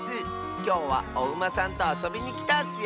きょうはおウマさんとあそびにきたッスよ。